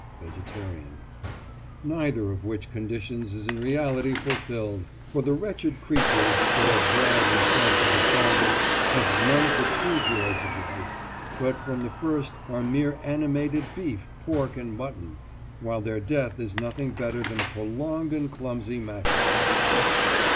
VEGETARIAN: Neither of which conditions is in reality fulfilled! For the wretched creatures that are bred and fed for the shambles have none of the true joys of life, but from the first are mere animated beef, pork, and mutton, while their death is nothing better than a prolonged and clumsy massacre.